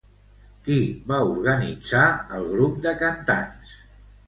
Qui va organitzar el grup de cantants?